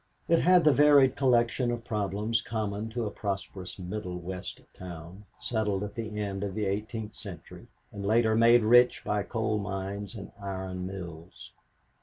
It had the varied collection of problems common to a prosperous Middle West town, settled at the end of the eighteenth century, and later made rich by coal mines and iron mills.